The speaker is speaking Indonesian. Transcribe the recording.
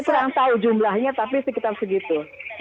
saya nggak tahu jumlahnya tapi sekitar segitu